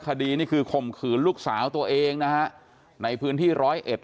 คดีนี่คือข่มขืนลูกสาวตัวเองนะฮะในพื้นที่ร้อยเอ็ด